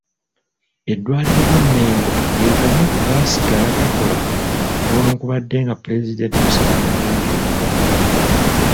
Eddwaliro ly'e Mengo gegamu ku gaasigala gakola newankubadde nga pulezidenti Museveni yalangirira omuggalo.